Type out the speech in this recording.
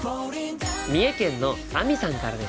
三重県のあみさんからです。